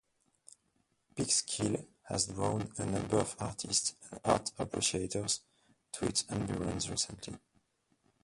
Peekskill has drawn a number of artists and art appreciators to its environs recently.